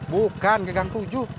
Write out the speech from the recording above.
bukan ke gang tujuh